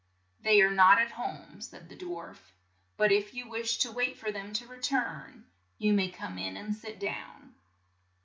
"They are not at home," said the dwarf, "but if you wish to wait for them to re turn, you may come in and sit down.